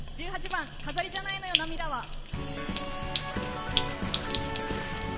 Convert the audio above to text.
１８番「飾りじゃないのよ涙は」。